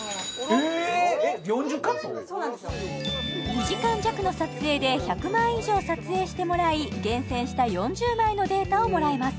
２時間弱の撮影で１００枚以上撮影してもらい厳選した４０枚のデータをもらえます